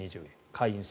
会員数